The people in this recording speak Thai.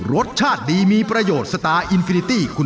รายการต่อไปนี้เป็นรายการทั่วไปสามารถรับชมได้ทุกวัย